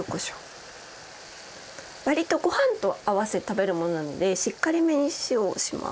わりとご飯と合わせて食べるものなのでしっかりめに塩をします。